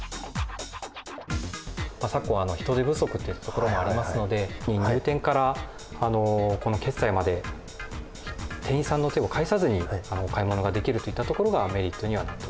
昨今人手不足といったところもありますので入店からこの決済まで店員さんの手を介さずにお買い物ができるといったところがメリットにはなっております。